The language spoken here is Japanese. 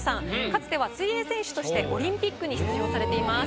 かつては水泳選手としてオリンピックに出場されています。